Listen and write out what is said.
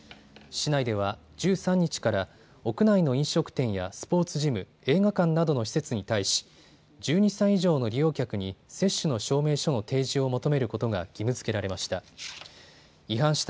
市内では１３日から屋内の飲食店やスポーツジム、映画館などの施設に対し１２歳以上の利用客に接種の証明書の提示を求めることが義務づけられました。